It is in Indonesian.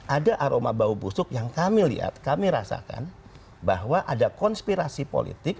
ada aroma bau busuk yang kami lihat kami rasakan bahwa ada konspirasi politik